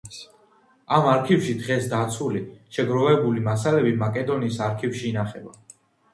ამ არქივში დღეს დაცული, შეგროვებული მასალები მაკედონიის არქივში ინახება.